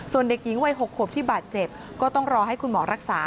ส่วนเด็กหญิงวัย๖ขวบที่บาดเจ็บก็ต้องรอให้คุณหมอรักษา